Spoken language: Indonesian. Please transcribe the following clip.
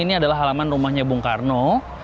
ini adalah halaman rumahnya bung karno